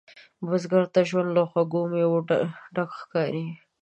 بزګر ته ژوند له خوږو میوو ډک ښکاري